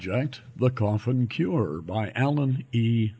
net The Coffin Cure by Alan E.